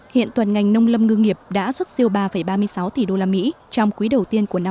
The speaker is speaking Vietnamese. hiện toàn ngành nông lâm ngư nghiệp đã xuất siêu ba ba mươi sáu tỷ usd trong quý đầu tiên của năm hai nghìn hai mươi